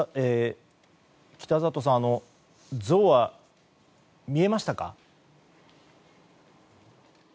北里さん、ゾウは見えましたか？